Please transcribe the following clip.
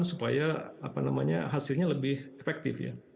supaya hasilnya lebih efektif